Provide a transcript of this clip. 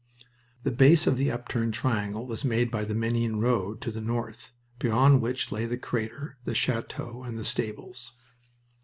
The base of the upturned triangle was made by the Menin road, to the north, beyond which lay the crater, the chateau, and the stables.